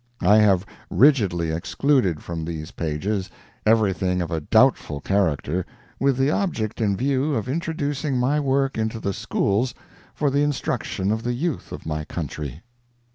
I have rigidly excluded from these pages everything of a doubtful character, with the object in view of introducing my work into the schools for the instruction of the youth of my country.